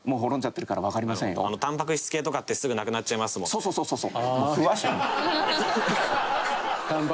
そうそうそうそうそう！